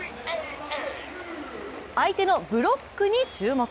相手のブロックに注目。